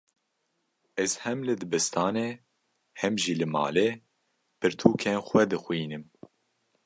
Ez hem li dibistanê, hem jî li malê pirtûkên xwe dixwînim.